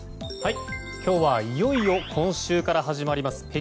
今日はいよいよ今週から始まります